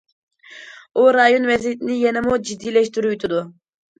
ئۇ رايون ۋەزىيىتىنى يەنىمۇ جىددىيلەشتۈرۈۋېتىدۇ.